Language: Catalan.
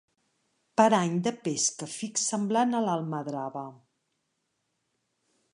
Parany de pesca fix semblant a l'almadrava.